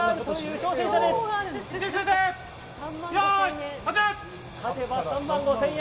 勝てば３万５０００円。